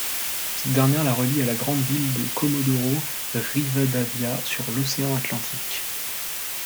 Cette dernière la relie à la grande ville de Comodoro Rivadavia sur l'Océan Atlantique.